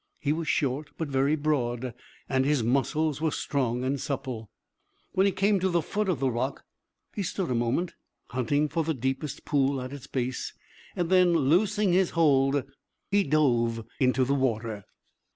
He was short but very broad, and his muscles were strong and supple. When he came to the foot of the rock he stood a moment, hunting for the deepest pool at its base, then, loosing his hold, he dove into the water.